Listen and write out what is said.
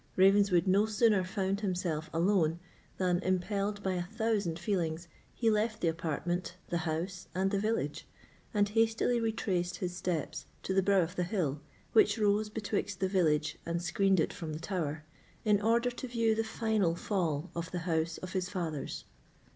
Ravenswood no sooner found himself alone than, impelled by a thousand feelings, he left the apartment, the house, and the village, and hastily retraced his steps to the brow of the hill, which rose betwixt the village and screened it from the tower, in order to view the final fall of the house of his fathers.